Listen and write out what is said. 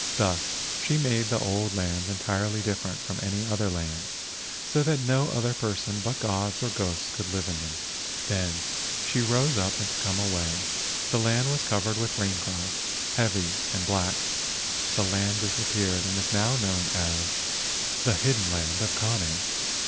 Thus she made the old lands entirely different from any other lands, so that no other persons but gods or ghosts could live in them. Then she rose up to come away. The land was covered with rainclouds, heavy and black. The land disappeared and is now known as "The Hidden Land of Kane."